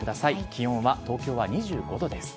気温は東京は２５度です。